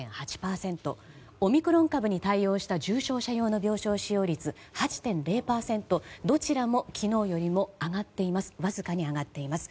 オミクロン株に対応した重症者用の病床使用率８．０％どちらも昨日よりも上がっています。